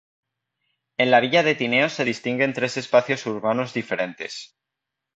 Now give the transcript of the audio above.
En la villa de Tineo se distinguen tres espacios urbanos diferentes.